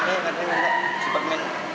nanti minta superman is dead